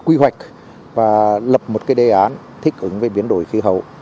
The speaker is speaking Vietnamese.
chúng tôi đã lập một đề án thích ứng với biến đổi khí hậu